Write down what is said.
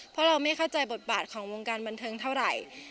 เพราะเราไม่เข้าใจบทบาทของวงการบันเทิงเท่าไหร่